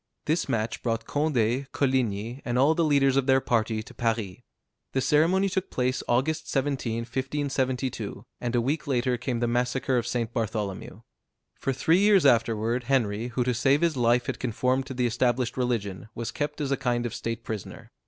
This match brought Condé, Coligni, and all the leaders of their party, to Paris. The ceremony took place August 17, 1572, and a week later came the massacre of St. Bartholomew. For three years afterward Henry, who to save his life had conformed to the established religion, was kept as a kind of state prisoner.